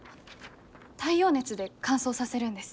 太陽熱で乾燥させるんです。